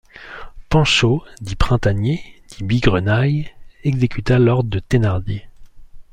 Panchaud, dit Printanier, dit Bigrenaille, exécuta l’ordre de Thénardier.